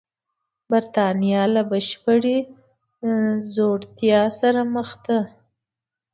برېټانیا له بشپړې ځوړتیا سره مخ وه.